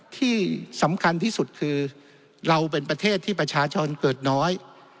ที่สำคัญที่สุดคือเราเป็นประเทศที่ประชาชนเกิดน้อย